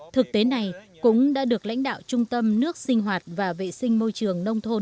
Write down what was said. thực tế này cũng đã được lãnh đạo trung tâm nước sinh hoạt và vệ sinh môi trường nông thôn